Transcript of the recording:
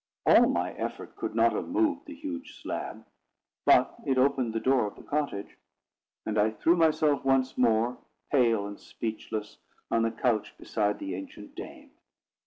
All my effort could not have moved the huge slab; but it opened the door of the cottage, and I threw myself once more, pale and speechless, on the couch beside the ancient dame.